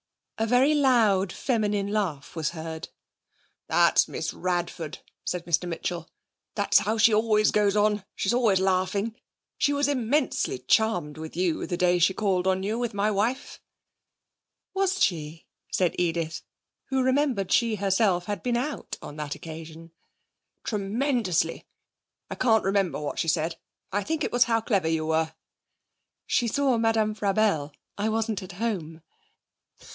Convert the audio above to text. A very loud feminine laugh was heard. 'That's Miss Radford,' said Mr Mitchell. 'That's how she always goes on. She's always laughing. She was immensely charmed with you the day she called on you with my wife.' 'Was she?' said Edith, who remembered she herself had been out on that occasion. 'Tremendously. I can't remember what she said: I think it was how clever you were.' 'She saw Madame Frabelle. I wasn't at home.'